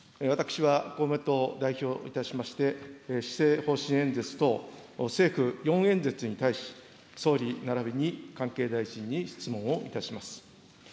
私は、公明党を代表いたしまして、施政方針演説等政府四演説に対し、総理ならびに関係大臣に質問をいたします。